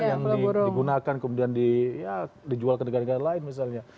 yang digunakan kemudian dijual ke negara negara lain misalnya